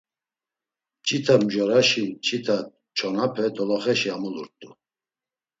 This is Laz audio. Mç̌ita mjoraşi mç̌ita çonape doloxeşi amulurt̆u.